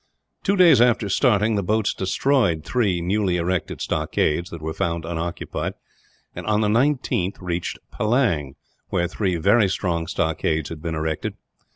Two days after starting, the boats destroyed three newly erected stockades, that were found unoccupied; and on the 19th reached Pellang, where three very strong stockades had been erected.